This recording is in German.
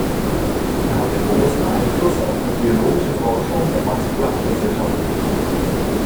Er hatte großen Einfluß auf die biologische Forschung der Max-Planck-Gesellschaft.